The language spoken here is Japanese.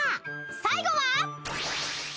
［最後は］